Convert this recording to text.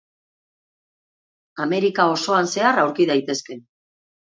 Amerika osoan zehar aurki daitezke.